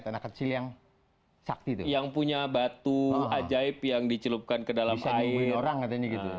anak kecil yang punya batu ajaib yang dicelupkan ke dalam kayu orang katanya gitu